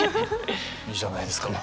いいじゃないですか。